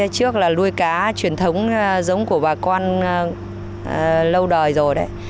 trước là nuôi cá truyền thống giống của bà con lâu đời rồi đấy